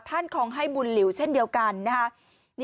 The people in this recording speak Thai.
ท่านคงให้บุญเหลวเช่นเดียวกัน